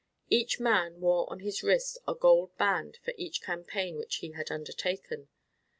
Each man wore on his wrist a gold band for each campaign which he had undertaken.